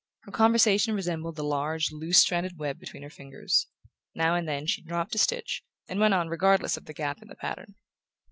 Her conversation resembled the large loose stranded web between her fingers: now and then she dropped a stitch, and went on regardless of the gap in the pattern.